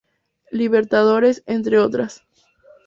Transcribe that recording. Libertadores, entre otras.